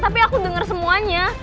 tapi aku denger semuanya